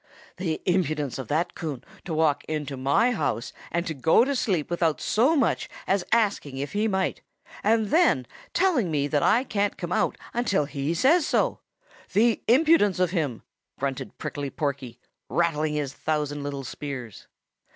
"The impudence of that Coon to walk into my house and go to sleep without so much as asking if he might, and then telling me that I can't come out until he says so! The impudence of him!" grunted Prickly Porky, rattling his thousand little spears.